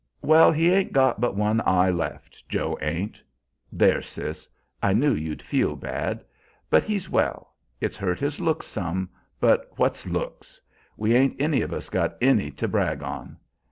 Well, he ain't got but one eye left, Joe ain't. There, Sis, I knew you'd feel bad. But he's well. It's hurt his looks some, but what's looks! We ain't any of us got any to brag on.